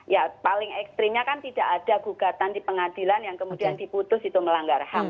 ya paling ekstrimnya kan tidak ada gugatan di pengadilan yang kemudian diputus itu melanggar ham